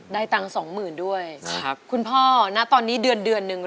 ได้ตังค์สองหมื่นด้วยคุณพ่อณตอนนี้เดือนหนึ่ง